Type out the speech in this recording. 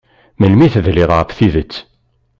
Melmi tedliḍ ɣef tidet?